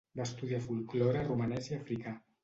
Va estudiar folklore romanès i africà.